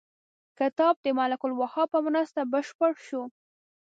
کتاب د ملک الوهاب په مرسته بشپړ شو.